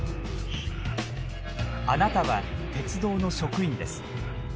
あなたは鉄道の職員です。